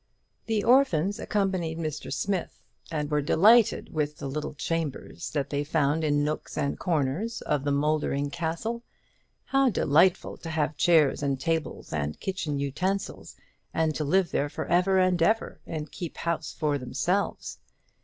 The orphans accompanied Mr. Smith, and were delighted with the little chambers that they found in nooks and corners of the mouldering castle. How delightful to have chairs and tables and kitchen utensils, and to live there for ever and ever, and keep house for themselves!